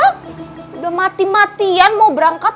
sudah mati matian mau berangkat